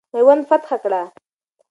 میوند فتح کړه.